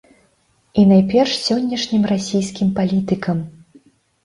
І найперш сённяшнім расійскім палітыкам.